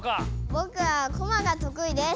ぼくはコマがとくいです。